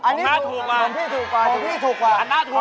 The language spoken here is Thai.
จริงป่ะของพี่ถูกกว่าของหน้าถูกกว่า